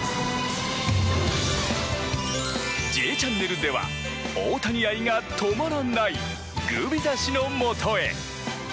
「Ｊチャンネル」では大谷愛が止まらないグビザ氏のもとへ。